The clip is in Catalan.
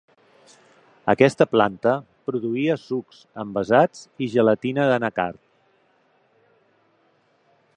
Aquesta planta produïa sucs envasats i gelatina d'anacard.